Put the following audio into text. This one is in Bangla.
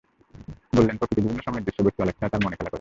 বললেন, প্রকৃতির বিভিন্ন সময়ের দৃশ্য, বস্তু, আলোছায়া তাঁর মনে খেলা করে।